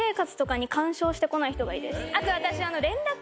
あと私。